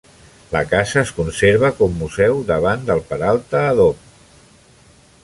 La casa es conserva com museu davant del Peralta Adobe.